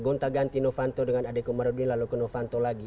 gonta ganti novanto dengan ade komarudin lalu ke novanto lagi